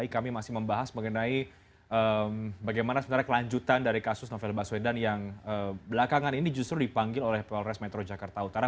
kami masih membahas mengenai bagaimana sebenarnya kelanjutan dari kasus novel baswedan yang belakangan ini justru dipanggil oleh polres metro jakarta utara